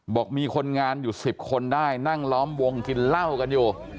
บอกมีคนงานอยู่๑๐คนได้นั่งล้อมวงกินเหล้ากันอยู่